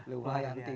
lumayan tiga meter